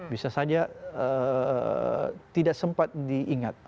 bisa saja tidak sempat diingat